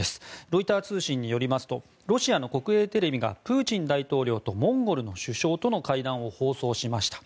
ロイター通信によりますとロシアの国営テレビがプーチン大統領とモンゴルの首相との会談を放送しました。